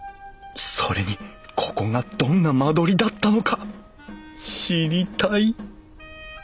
それにここがどんな間取りだったのか知りたい！